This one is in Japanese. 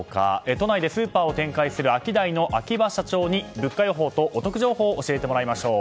都内でスーパーを展開するアキダイの秋葉社長に物価予報とお得情報を教えてもらいましょう。